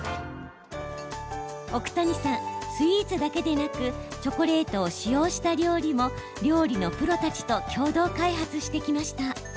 奥谷さん、スイーツだけでなくチョコレートを使用した料理も料理のプロたちと共同開発してきました。